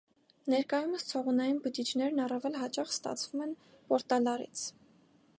Ներկայումս ցողունային բջիջներն առավել հաճախ ստացվում են պորտալարից։